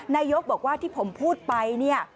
นายยกบอกว่าที่ผมพูดไป